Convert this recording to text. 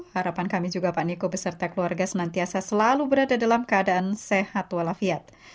harapan kami juga pak nikol beserta keluarga senantiasa selalu berada dalam keadaan sehat walafiat